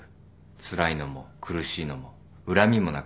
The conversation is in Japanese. つらいのも苦しいのも恨みもなくなる。